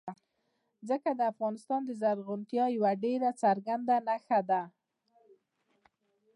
ځمکه د افغانستان د زرغونتیا یوه ډېره څرګنده نښه ده.